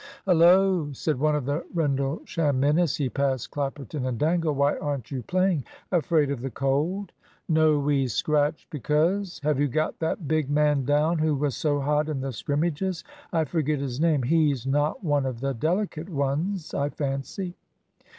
"Hullo!" said one of the Rendlesham men as he passed Clapperton and Dangle, "why aren't you playing? Afraid of the cold?" "No, we scratched because " "Have you got that big man down who was so hot in the scrimmages? I forget his name. He's not one of the delicate ones, I fancy."